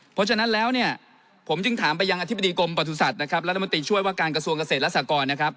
เพราะฉะนั้นแล้วผมจึงถามไปยังอธิบดีกรมปฏุสัตว์รัฐมนตรีช่วยว่าการกระทรวงเกษตรและศักรณ์